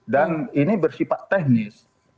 dan ini bersifat teknis